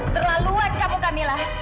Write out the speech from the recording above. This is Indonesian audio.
terlaluan kamu kamilah